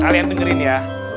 kalian dengerin ya